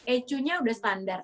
ecu nya udah standar